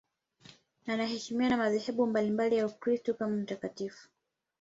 Anaheshimiwa na madhehebu mbalimbali ya Ukristo kama mtakatifu.